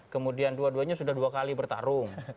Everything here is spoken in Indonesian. kemudian dua duanya sudah dua kali bertarung